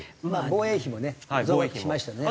防衛費もね増額しましたね。